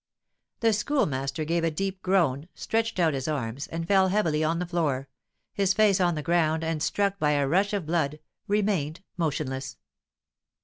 The Schoolmaster gave a deep groan, stretched out his arms, and fell heavily on the floor, his face on the ground, and, struck by a rush of blood, remained motionless.